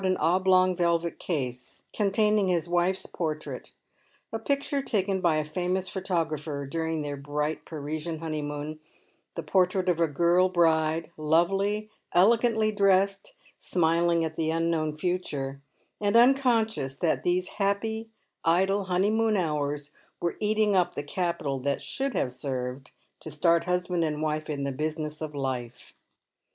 an oblong' velvet case, containing his wife's portrait — a picture taken by a famous photographer during their bright Parisian honeymoon, — the portrait of a girl bride, lovely, elegantly dressed, smiling at the unknown future, and unconscious that these happy, idle honeymoon hours were eating up the capital that should have served to start husband and wife in the business of life.